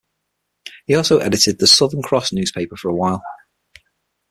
He also edited the "Southern Cross" newspaper for a while.